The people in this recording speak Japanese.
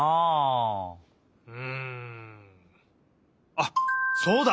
あっそうだ！